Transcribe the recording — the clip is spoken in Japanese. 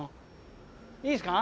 いいですか？